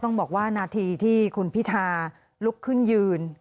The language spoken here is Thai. ต้องบอกว่านาทีที่คุณพิธาลุกขึ้นยืน